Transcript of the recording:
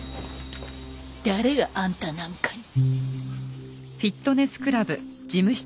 誰があんたなんかに。